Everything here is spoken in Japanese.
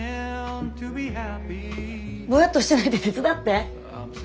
ぼやっとしてないで手伝って。